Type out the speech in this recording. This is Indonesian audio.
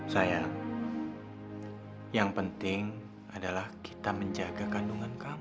sayang yang penting adalah kita menjaga kandungan kamu